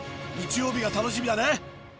日曜日が楽しみだね。